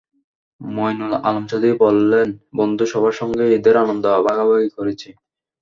মঈনুল আলম চৌধুরী বললেন, বন্ধু সবার সঙ্গে ঈদের আনন্দ ভাগাভাগি করেছি।